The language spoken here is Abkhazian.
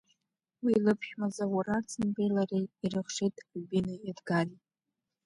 Уи лыԥшәма Заур Арӡынбеи лареи ирыхшеит Альбинеи Едгари.